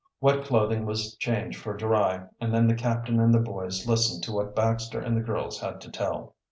Wet clothing was changed for dry, and then the captain and the boys listened to what Baxter and the girls had to tell.